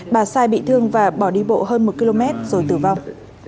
bà sai bị thương và bỏ đi bộ hơn một km rồi tử vong